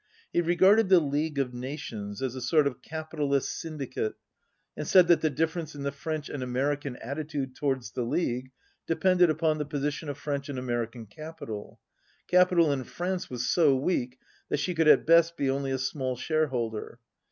He regarded the League of Nations as a sort of capitalist syndicate, and said that the difference in the French and American attitude towards the League depended upon the 57 position of French and American capital. Capital in France was so weak, that she could at best be only a small shareholder.